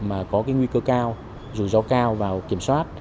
mà có cái nguy cơ cao rủi ro cao vào kiểm soát